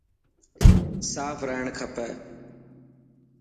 صاف رهڻ کپي.